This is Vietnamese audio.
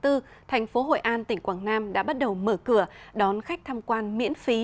thành phố hội an tỉnh quảng nam đã bắt đầu mở cửa đón khách tham quan miễn phí